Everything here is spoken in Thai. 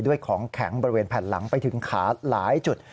ของแข็งบริเวณแผ่นหลังไปถึงขาหลายจุด